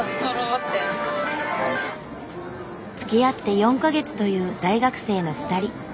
つきあって４か月という大学生の２人。